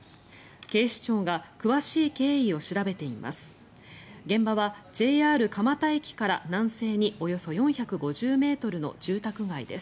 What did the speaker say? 警視庁が詳しい経緯を調べています。